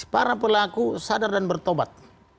para pelaku sadar dan bertobat